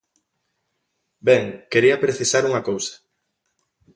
Ben, quería precisar unha cousa.